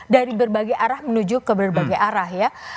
dari berbagai arah menuju ke berbagai arah ya